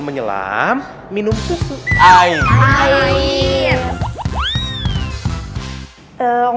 menyelam minum susu air air